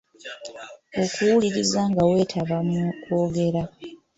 Okuwuliriza nga weetaba mu kwogera.